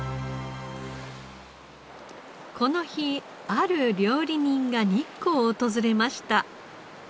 この日ある料理人が日光を訪れました。